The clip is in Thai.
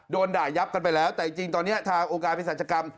โดนด่ายับกันไปแล้วแต่จริงตอนนี้ทางโอกาสพิศาจกรรม